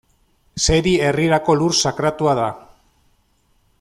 Seri herrirako lur sakratua da.